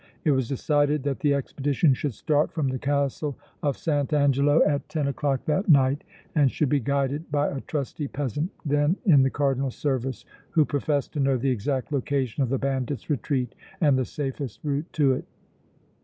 It was decided that the expedition should start from the Castle of St. Angelo at ten o'clock that night and should be guided by a trusty peasant, then in the Cardinal's service, who professed to know the exact location of the bandits' retreat and the safest route to it.